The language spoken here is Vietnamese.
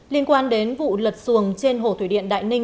liên quan đến vụ lật xuồng trên hồ thủy điện đại ninh